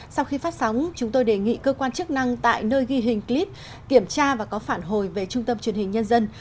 sau khi phát sóng chúng tôi đề nghị cơ quan chức năng tại nơi ghi hình clip kiểm tra và có phản hồi về trung tâm truyền hình nhân dân